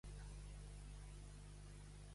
Lluna nova de febrer, primer diumenge de Quaresma.